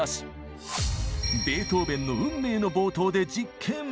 ベートーベンの「運命」の冒頭で実験！